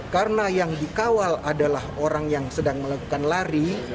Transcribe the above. karena yang dikawal adalah orang yang sedang melakukan lari